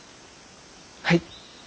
はい。